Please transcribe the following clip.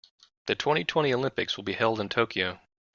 The twenty-twenty Olympics will be held in Tokyo.